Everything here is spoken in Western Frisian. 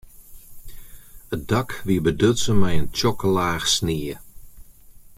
It dak wie bedutsen mei in tsjokke laach snie.